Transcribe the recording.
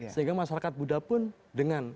sehingga masyarakat buddha pun dengan